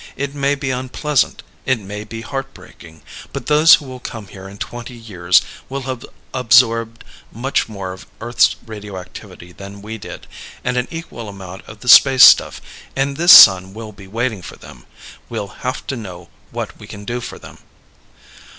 It may be unpleasant. It may be heart breaking. But those who will come here in twenty years will have absorbed much more of Earth's radioactivity than we did, and an equal amount of the space stuff, and this sun will be waiting for them.... We'll have to know what we can do for them."